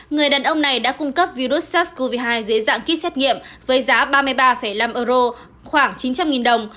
người đàn ông này đã cung cấp virus sars cov hai dễ dàng ký xét nghiệm với giá ba mươi ba năm euro khoảng chín trăm linh đồng